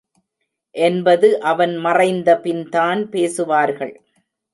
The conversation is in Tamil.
என்பது அவன் மறைந்தபின்தான் பேசுவார்கள்.